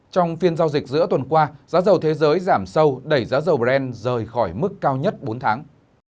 trong phiên giao dịch giữa tuần qua giá dầu thế giới giảm sâu đẩy giá dầu brent rời khỏi mức cao nhất bốn tháng